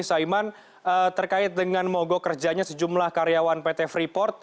saiman terkait dengan mogok kerjanya sejumlah karyawan pt freeport